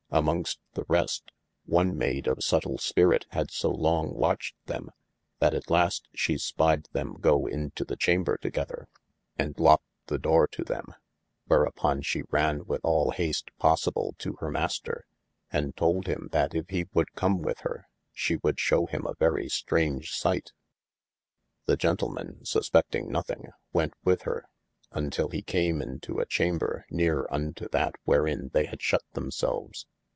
Amongst the rest, one mayde of subtile spirite had so long watched them, that at last she spied them go into the chamber together, and lockte the doore to them : whereupon she ranne with all hast possible to hir Mayster, and toold him that if he would come with hir, she would shewe him a very straunge sighte. The gentleman (suspefting nothing) went with hir, untill rft' came into a chamber neere unto that wherein they had shut them selves.